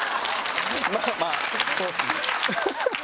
まぁまぁそうですね。